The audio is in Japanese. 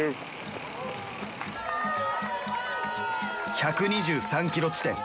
１２３ｋｍ地点。